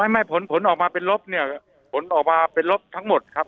ไม่ผลผลออกมาเป็นลบเนี่ยผลออกมาเป็นลบทั้งหมดครับ